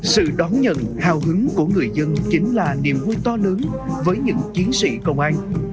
sự đón nhận hào hứng của người dân chính là niềm vui to lớn với những chiến sĩ công an